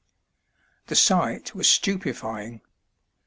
The sight was stupefying.